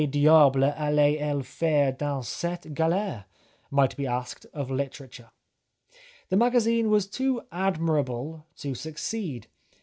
Que diable allait elle faire dans cette galere ?" might be asked of hterature. The magazine was too admirable to succeed.